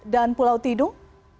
dan pulau tidung